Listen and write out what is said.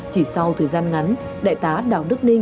chỉ sau thời gian ngắn đại tá đào đức ninh